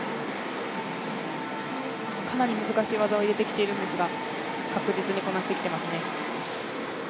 かなり難しい技を入れてきているんですが、確実にこなしてきていますね。